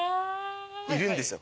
いるんですよ